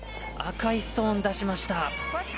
赤いストーンを出しました。